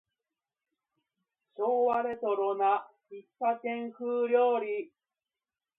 昭和レトロな喫茶店風料理